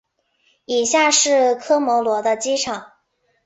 以下是科摩罗的机场。